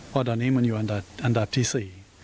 เพราะตอนนี้มันอยู่อันดับที่๔